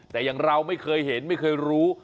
แต่อย่างเราไม่เคยเห็นไม่เคยรู้